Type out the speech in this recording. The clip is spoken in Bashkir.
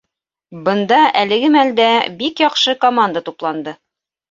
Бында әлеге мәлдә бик яҡшы команда тупланды.